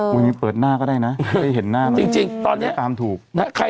โดยมีเปิดหน้าก็ได้นะเคยเห็นหน้า